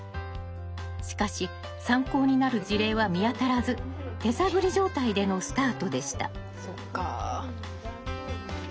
しかし参考になる事例は見当たらず手探り状態でのスタートでした。